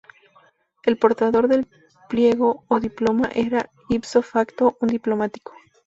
El portador del ‘pliego’ o diploma era "ipso facto" un diplomático.